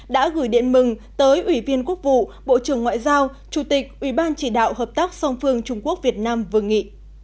đã gửi điện mừng tới ủy viên quốc vụ bộ trưởng ngoại giao chủ tịch ủy ban chỉ đạo hợp tác song phương trung quốc việt nam vương nghị